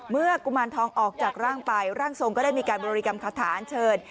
กุมารทองออกจากร่างไปร่างทรงก็ได้มีการบริกรรมคาถานเชิญ